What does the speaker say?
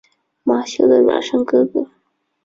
马修的孪生哥哥。